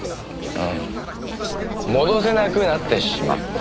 うん戻せなくなってしまった。